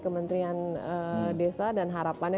kementerian desa dan harapannya